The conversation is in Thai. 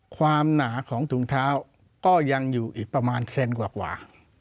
หนาของถุงเท้าก็ยังอยู่อีกประมาณเซนกว่า